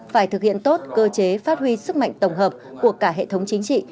phải thực hiện tốt cơ chế phát huy sức mạnh tổng hợp của cả hệ thống chính trị